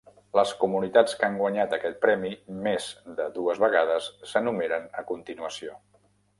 Les comunitats que han guanyat aquest premi més de dues vegades s'enumeren a continuació.